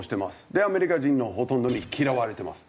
でアメリカ人のほとんどに嫌われてます。